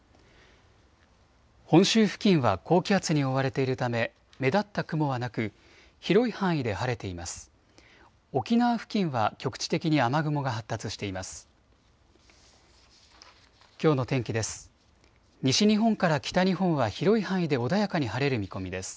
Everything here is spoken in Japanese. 本州付近は高気圧に覆われているため目立った雲はなく広い範囲で晴れています。